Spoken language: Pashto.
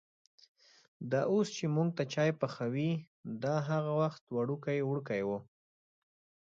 دا اوس چې مونږ ته چای پخوي، دا هغه وخت وړوکی وړکی و.